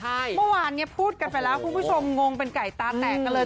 เมื่อวานเนี่ยพูดกันไปแล้วคุณผู้ชมงงเป็นไก่ตาแตกกันเลย